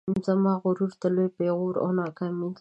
زما غرور ته لوی پیغور او ناکامي ده